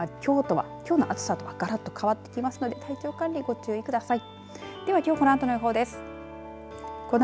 あす、きょうの暑さとはがらっと変わってきますので体調管理、ご注意ください。